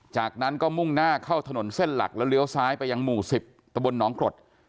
จากนั้นก็มุ่งหน้าเข้าถนนเส้นหลักแล้วเลี้ยวซ้ายไปยังหมู่๑๐ตะบลหนองกรด